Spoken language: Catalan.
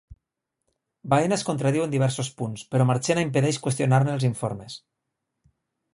Baena es contradiu en diversos punts, però Marchena impedeix qüestionar-ne els informes.